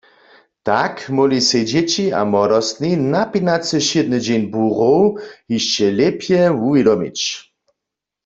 Tak móhli sej dźěći a młodostni napinacy wšědny dźeń burow hišće lěpje wuwědomić.